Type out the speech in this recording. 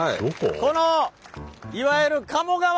このいわゆる鴨川。